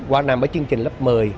qua nằm ở chương trình lớp một mươi